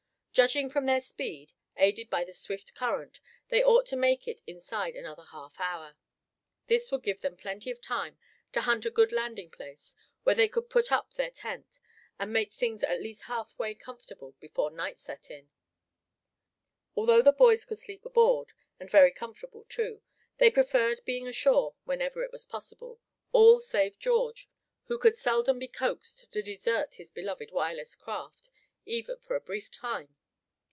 Judging from their speed, aided by the swift current, they ought to make it inside of another half hour. This would give them plenty of time to hunt a good landing place, where they could put up their tent, and make things at least half way comfortable before night set in. Although the boys could sleep aboard, and very comfortable too, they preferred being ashore whenever it was possible, all save George, who could seldom be coaxed to desert his beloved Wireless craft, even for a brief time.